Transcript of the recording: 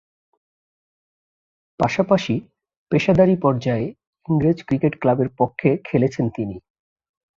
পাশাপাশি, পেশাদারী পর্যায়ে ইংরেজ ক্রিকেট ক্লাবের পক্ষে খেলেছেন তিনি।